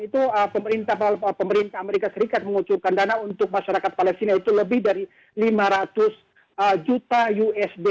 itu pemerintah amerika serikat mengucurkan dana untuk masyarakat palestina itu lebih dari lima ratus juta usd